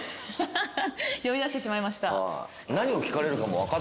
呼び出してしまいました。